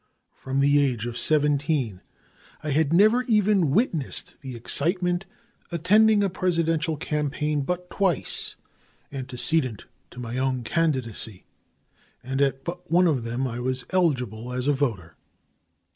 From the age of 17 I had never even witnessed the excitement attending a Presidential campaign but twice antecedent to my own candidacy, and at but one of them was I eligible as a voter.